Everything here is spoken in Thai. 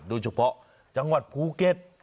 โดยช่วงเพราะจังหวัดภูเก็ต